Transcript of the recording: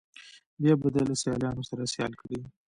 بیا به دې له سیالانو سره سیال کړي.